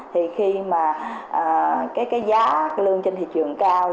thì khi mà cái giá lương trên thị trường cao